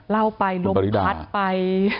เล่าไปลมพัดไปคุณปริฎา